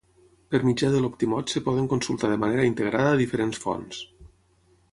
Per mitjà de l'Optimot es poden consultar de manera integrada diferents fonts.